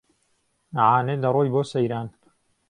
عانێ دهڕۆی بۆ سهیران